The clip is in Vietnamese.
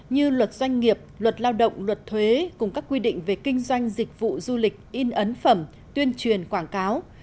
như luật doanh nghiệp luật lao động luật thuế cùng các quy định về kinh doanh dịch vụ du lịch in ấn phẩm tuyên truyền quảng cáo